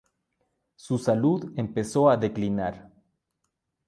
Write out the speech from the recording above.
Su salud empezó a declinar.